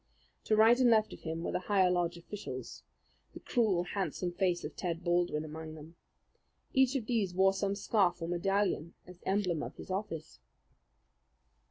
To right and left of him were the higher lodge officials, the cruel, handsome face of Ted Baldwin among them. Each of these wore some scarf or medallion as emblem of his office.